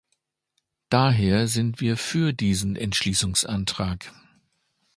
Daher sind wir für diesen Entschließungsantrag.